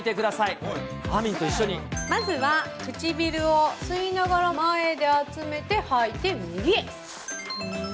まずは唇を吸いながら前で集めて吐いて右へ。